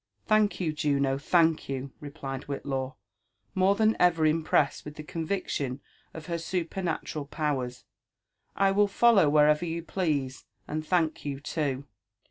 '* Thank you, Juno, thank you," replied Whitlaw, more than ever impressed with the conviction of her supernatural powers; '*I will follow wherever you please, and thank you too."